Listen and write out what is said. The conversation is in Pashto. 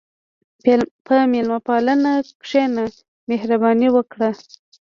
په میلمهپالنه کښېنه، مهرباني وکړه.